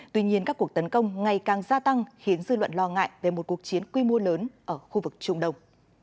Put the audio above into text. tuy nhiên các cuộc tấn công ngày càng gia tăng khiến dư luận lo ngại về một cuộc chiến quy mô lớn ở khu vực trung đông